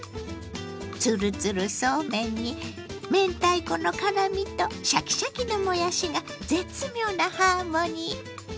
ツルツルそうめんに明太子の辛みとシャキシャキのもやしが絶妙なハーモニー。